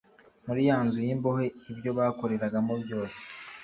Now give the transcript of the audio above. muri ya nzu y imbohe ibyo bakoreragamo byose